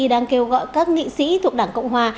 đang kêu gọi các nghị sĩ thuộc đảng cộng hòa